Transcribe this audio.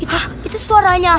hah itu suaranya